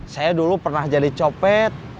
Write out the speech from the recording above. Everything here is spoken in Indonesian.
saya dulu pernah jadi copet